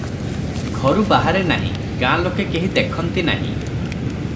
ଘରୁ ବାହାରେ ନାହିଁ, ଗାଁ ଲୋକେ କେହି ଦେଖନ୍ତିନାହିଁ ।